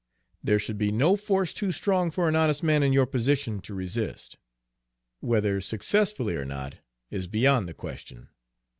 "There should be no force too strong for an honest man in your position to resist, whether successfully or not is beyond the question.